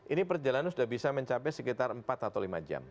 ini perjalanan sudah bisa mencapai sekitar empat atau lima jam